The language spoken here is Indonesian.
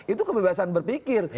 itu kebebasan berpikir